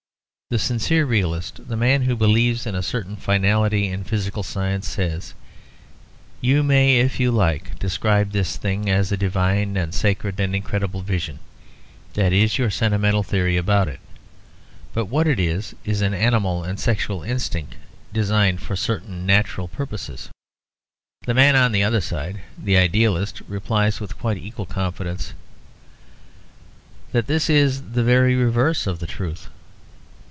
The sincere realist, the man who believes in a certain finality in physical science, says, "You may, if you like, describe this thing as a divine and sacred and incredible vision; that is your sentimental theory about it. But what it is, is an animal and sexual instinct designed for certain natural purposes." The man on the other side, the idealist, replies, with quite equal confidence, that this is the very reverse of the truth.